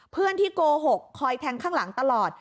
เพื่อนที่โกหกคอยแทงข้างหลังตลอด